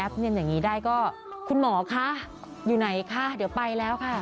แต่ถ้าหาแอปที่นี้ได้ก็คุณหมอคะอยู่ไหนคะเดี๋ยวไปแล้วค่ะ